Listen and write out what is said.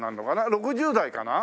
６０代かな？